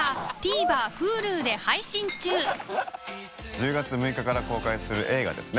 １０月６日から公開する映画ですね。